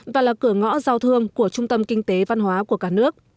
và là cửa ngõ giao thương của trung tâm kinh tế văn hóa của cả nước